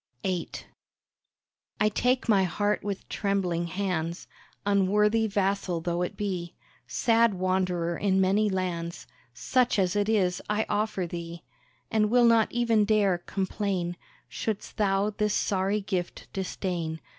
VIII I take my heart with trembling hands, Unworthy vassal though it be, Sad wanderer in many lands, Such as it is I offer thee, And will not even dare complain Shouldst thou this sorry gift disdain.